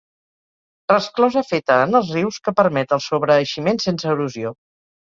Resclosa feta en els rius que permet el sobreeiximent sense erosió.